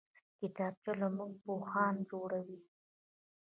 کتابچه له موږ پوهان جوړوي